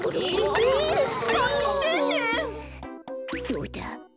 どうだ？